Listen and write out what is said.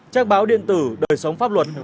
trang báo điện tử đời sống pháp luật